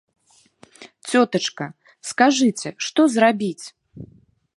Цётачка, скажыце, што зрабіць?